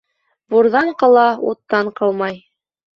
Бурҙан ҡала, уттан ҡалмай.